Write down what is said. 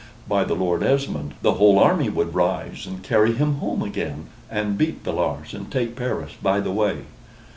by the Lord, Esmond, the whole army would rise and carry him home again, and beat Villars, and take Paris by the way."